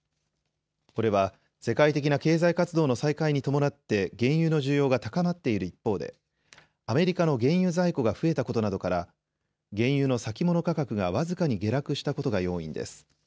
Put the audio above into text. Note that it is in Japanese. これは世界的な経済活動の再開に伴って原油の需要が高まっている一方でアメリカの原油在庫が増えたことなどから原油の先物価格が僅かに下落したことが要因です。